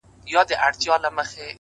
د سړک څنډه تل د تګ او تم ترمنځ وي’